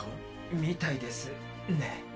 みたいですね。